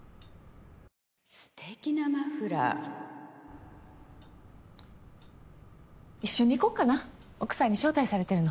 ステキなマフラー一緒に行こっかな奥さんに招待されてるの。